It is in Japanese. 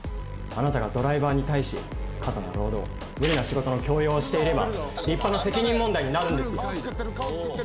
あなたがドライバーに対し過多な労働無理な仕事の強要をしていれば立派な責任問題になるんですよ。